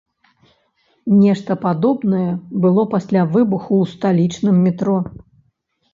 Нешта падобнае было пасля выбуху ў сталічным метро.